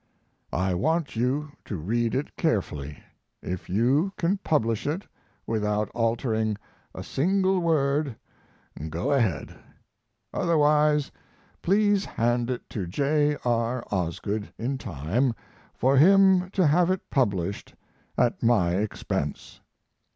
I want you to read it carefully. If you can publish it without altering a single word, go ahead. Otherwise, please hand it to J. R. Osgood in time for him to have it published at my expense.